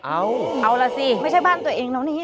เอาเอาล่ะสิไม่ใช่บ้านตัวเองแล้วนี่